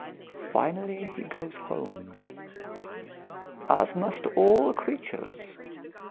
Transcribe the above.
"Finally he goes home." "As must all creatures.